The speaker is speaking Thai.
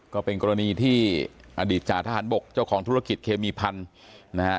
ก็เป็นกรณีที่อดีตจ่าทหารบกเจ้าของธุรกิจเคมีพันธุ์นะฮะ